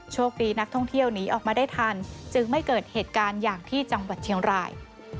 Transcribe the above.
โชคดีนักท่องเที่ยวหนีออกมาได้ทันจึงไม่เกิดเหตุการณ์อย่างที่จังหวัดเชียงราย